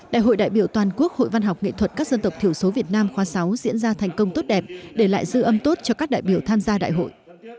đại hội đại biểu toàn quốc hội văn học nghệ thuật các dân tộc thiểu số việt nam khóa sáu diễn ra thành công tốt đẹp để lại dư âm tốt cho các đại biểu tham gia đại hội